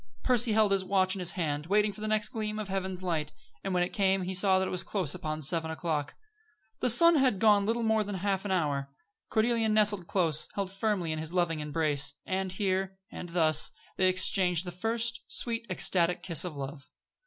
Percy held his watch in his hand, waiting for the next gleam of heaven's light, and when it came he saw that it was close upon seven o'clock. The sun had been gone little more than half an hour. Cordelia nestled close, held firmly in his loving embrace. And here, and thus, they exchanged the first sweet, ecstatic kiss of love.